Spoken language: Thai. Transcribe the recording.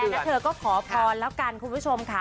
แล้วเธอก็ขอพรแล้วกันคุณผู้ชมค่ะ